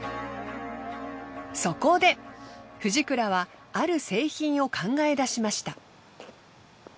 そこでフジクラはある製品を考えだしました。